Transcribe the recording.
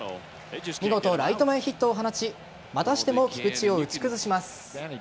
見事、ライト前ヒットを放ちまたしても菊池を打ち崩します。